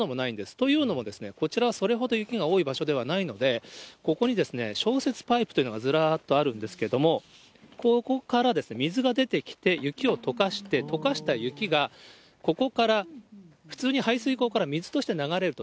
というのも、こちらそれほど雪が多い場所ではないので、ここに消雪パイプというのがずらっとあるんですけども、ここから水が出てきて雪をとかして、とかした雪がここから普通に排水溝から水として流れると。